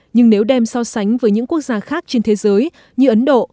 nhưng nếu đem so sánh với những quốc gia khác trên thế giới như ấn độ